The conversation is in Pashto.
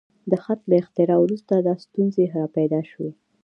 د خط له اختراع وروسته دا ستونزې راپیدا شوې.